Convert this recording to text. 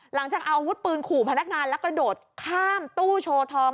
จะเอาอาวุธปืนขู่พนักงานแล้วกระโดดข้ามตู้โชว์ทอง